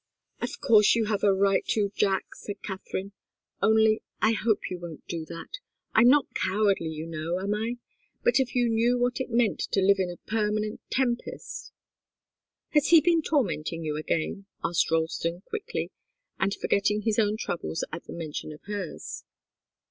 "Of course you have a right to, Jack," said Katharine. "Only, I hope you won't do that. I'm not cowardly, you know, am I? But if you knew what it meant to live in a permanent tempest " "Has he been tormenting you again?" asked Ralston, quickly, and forgetting his own troubles at the mention of hers.